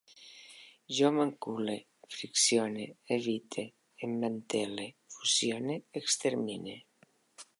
Jo m'encule, friccione, evite, emmantelle, fusione, extermine